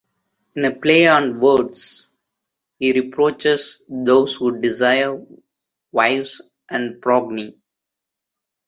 In a play on words, he reproaches those who desire wives and progeny.